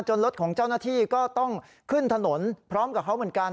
รถของเจ้าหน้าที่ก็ต้องขึ้นถนนพร้อมกับเขาเหมือนกัน